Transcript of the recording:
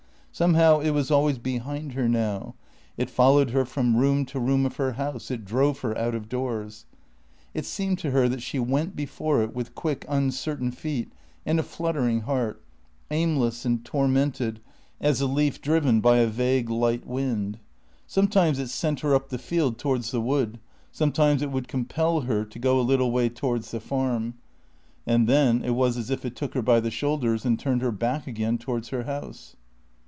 Somehow it was always behind her now; it followed her from room to room of her house; it drove her out of doors. It seemed to her that she went before it with quick uncertain feet and a fluttering heart, aimless and tormented as a leaf driven by a vague light wind. Sometimes it sent her up the field towards the wood; sometimes it would compel her to go a little way towards the Farm; and then it was as if it took her by the shoulders and turned her back again towards her house.